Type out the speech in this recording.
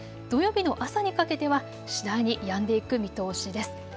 土曜日の朝にかけては次第にやんでいく見通しです。